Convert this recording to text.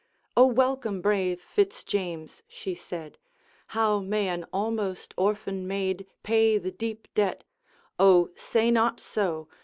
'O welcome, brave Fitz James!' she said; 'How may an almost orphan maid Pay the deep debt ' 'O say not so!